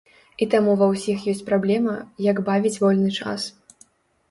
І таму ва ўсіх ёсць праблема, як бавіць вольны час.